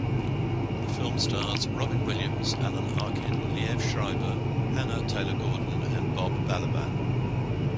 The film stars Robin Williams, Alan Arkin, Liev Schreiber, Hannah Taylor-Gordon, and Bob Balaban.